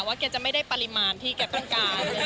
แกจะไม่ได้ปริมาณที่แกต้องการ